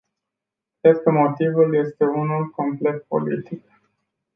Cred că motivul este unul complet politic.